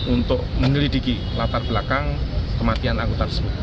untuk menyelidiki latar belakang kematian anggota tersebut